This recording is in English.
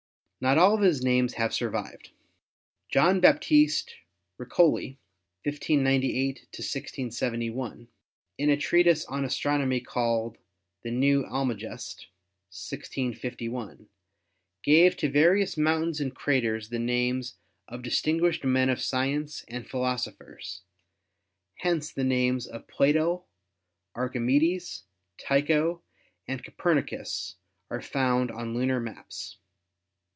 Not all of his names have survived. John Baptist Riccioli (1598 1671), in a treatise on astronomy called The New Almagest, 1651, gave to various mountains and craters the names of distinguished men of science and philosophers. Hence the names of Plato, Archimedes, Tycho and Copernicus are found on lunar maps.